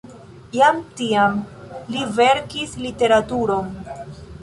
Jam tiam li verkis literaturon.